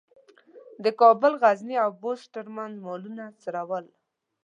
د کابل، غزني او بُست ترمنځ مالونه څرول.